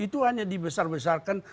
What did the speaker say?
itu hanya dibesar besarkan